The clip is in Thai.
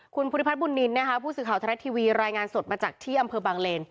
คุณพุทธิพัทรบุนนินผู้สื่อข่าวทะเลทีวีรายงานสดมาจากที่อำเภอบางเลน